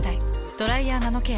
「ドライヤーナノケア」。